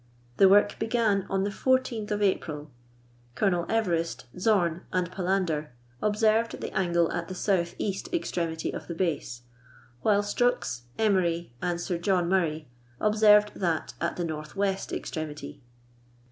The work began on the J4th of April, Colonel Everest, Zorn, and Palander observed the angle at the south east extremity of the base, while Strux, Emery, and Sir John Murray observed that at the north west extremity.